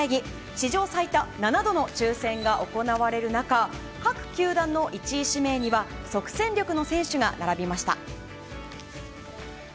史上最多７度の抽選が行われる中各球団の１位指名には即戦力の選手が並びました。